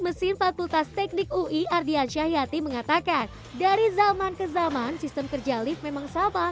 mesin fakultas teknik ui ardian syahyati mengatakan dari zaman ke zaman sistem kerja lift memang sama